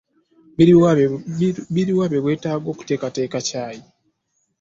Biruwa bye weetaaga okuteekateeka cayi?